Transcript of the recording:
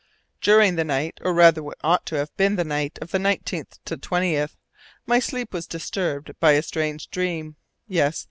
During the night, or rather what ought to have been the night of the 19th 20th, my sleep was disturbed by a strange dream. Yes!